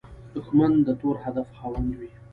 دښمن د تور هدف خاوند وي